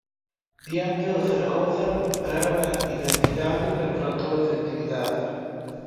Diante do Zaragoza recuperaron a identidade pero faltou a efectividade.